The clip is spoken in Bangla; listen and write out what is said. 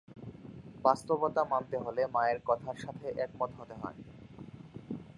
বাস্তবতা মানতে হলে মায়ের কথার সাথে একমত হতে হয়।